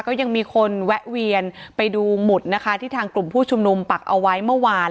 ก็ยังมีคนแวะเวียนไปดูหมุดนะคะที่ทางกลุ่มผู้ชุมนุมปักเอาไว้เมื่อวาน